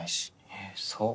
えっそう？